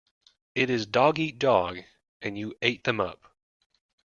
It is dog eat dog, and you ate them up.